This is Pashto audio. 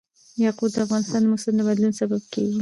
یاقوت د افغانستان د موسم د بدلون سبب کېږي.